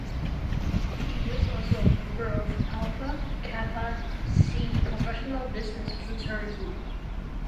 He was also a member of Alpha Kappa Psi Professional Business Fraternity.